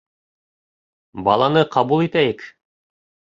— Баланы ҡабул итәйек!